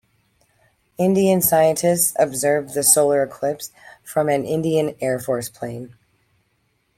Indian scientists observed the solar eclipse from an Indian Air Force plane.